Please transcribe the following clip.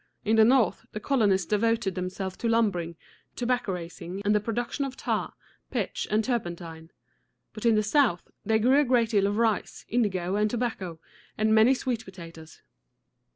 In the north, the colonists devoted themselves to lumbering, tobacco raising, and the production of tar, pitch, and turpentine; but in the south, they grew a great deal of rice, indigo, and tobacco, and many sweet potatoes.